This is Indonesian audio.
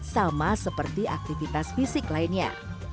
sama seperti aktivitas fisik lainnya